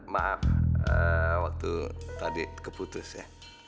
maaf waktu tadi keputus ya